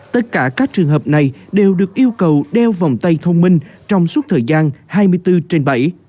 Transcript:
tất cả các trường hợp này đều được yêu cầu đeo vòng tay thông minh trong suốt thời gian hai mươi bốn trên bảy